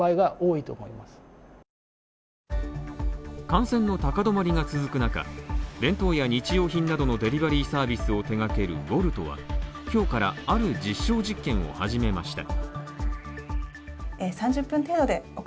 感染の高止まりが続く中、弁当や日用品などのデリバリーサービスを手がけるＷｏｌｔは、今日からある実証実験を始めました。